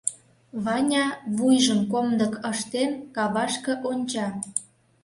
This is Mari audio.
Ваня, вуйжым комдык ыштен, кавашке онча.